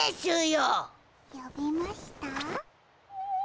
よびました？